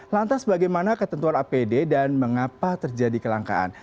lantas bagaimana ketentuan apd dan mengapa terjadi kelangkaan